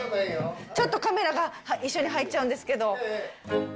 ちょっとカメラが一緒に入っちゃうんですけど。